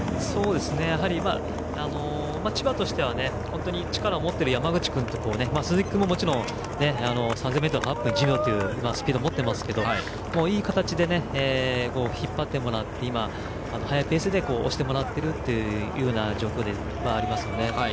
やはり、千葉としては力を持っている山口君と、鈴木君も３０００ｍで８分１秒というスピードを持っていますけどもいい形で、引っ張ってもらって速いペースで押してもらっているという状況ではありますよね。